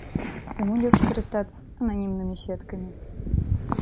Таму лепш карыстацца ананімнымі сеткамі.